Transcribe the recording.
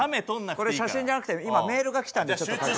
これ写真じゃなくて今メールがきたんでちょっと確認。